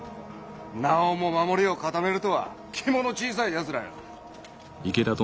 なおも守りを固めるとは肝の小さいやつらよ。